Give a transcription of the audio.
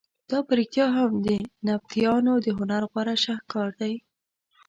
دا په رښتیا هم د نبطیانو د هنر غوره شهکار دی.